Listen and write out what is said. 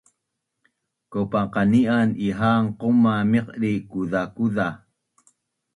Kaupa qani’an iha’an quma meqdi kuzakuza